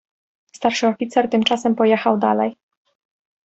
"Starszy oficer tymczasem pojechał dalej."